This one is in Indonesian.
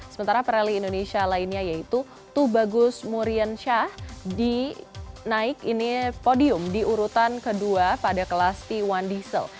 sementara pereli indonesia lainnya yaitu tubagus muriansyah di naik ini podium di urutan kedua pada kelas t satu diesel